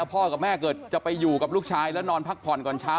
พ่อกับแม่เกิดจะไปอยู่กับลูกชายแล้วนอนพักผ่อนก่อนเช้า